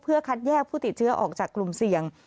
คัดแยกผู้ติดเชื้อออกจากกลุ่มเสี่ยง